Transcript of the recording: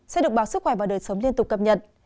sẽ được báo sức khỏe và đời sống liên tục cập nhật